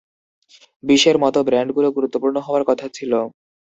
বিষের মতো ব্যান্ডগুলো গুরুত্বপূর্ণ হওয়ার কথা ছিল।